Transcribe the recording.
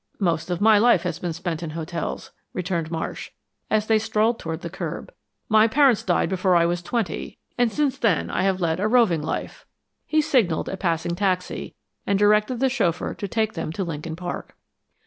"Most of my life has been spent in hotels," returned Marsh, as they strolled toward the curb. "My parents died before I was twenty, and since then I have led a roving life." He signaled a passing taxi, and directed the chauffeur to take them to Lincoln Park.